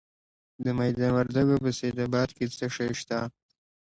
د میدان وردګو په سید اباد کې څه شی شته؟